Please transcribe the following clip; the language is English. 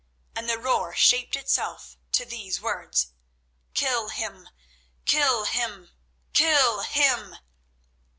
And the roar shaped itself to these words: "Kill him! kill him! _kill him!